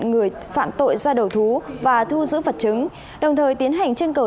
người phạm tội gia đầu thú và thu giữ vật chứng đồng thời tiến hành chân cầu